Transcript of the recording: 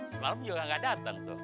semalam juga nggak datang tuh